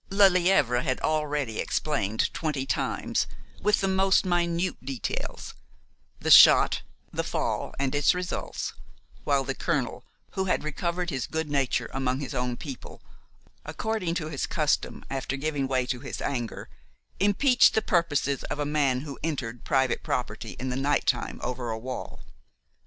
Lelièvre had already explained twenty times, with the most minute details, the shot, the fall and its results, while the colonel, who had recovered his good nature among his own people, according to his custom after giving way to his anger, impeached the purposes of a man who entered private property in the night time over a wall.